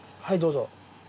はいどうぞ。